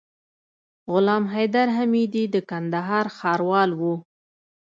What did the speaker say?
غلام حيدر حميدي د کندهار ښاروال وو.